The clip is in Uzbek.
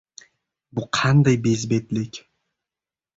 — Bu qanday bezbetlik!